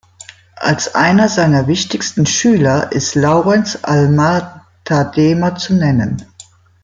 Als einer seiner wichtigsten Schüler ist Lawrence Alma-Tadema zu nennen.